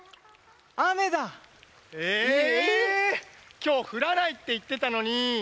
きょうふらないっていってたのに！